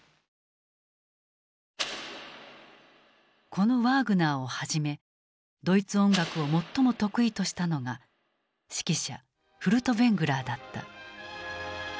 このワーグナーをはじめドイツ音楽を最も得意としたのが指揮者フルトヴェングラーだった。